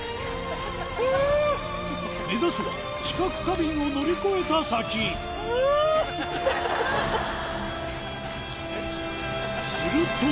目指すは知覚過敏を乗り越えた先ハァ！